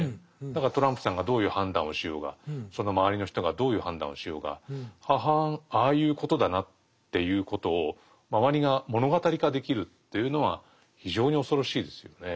だからトランプさんがどういう判断をしようがその周りの人がどういう判断をしようが「ははんああいうことだな」っていうことを周りが物語化できるというのは非常に恐ろしいですよね。